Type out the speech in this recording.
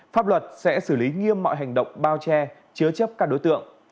pháp luật sẽ xử lý nghiêm mọi hành động bao che chứa chấp các đối tượng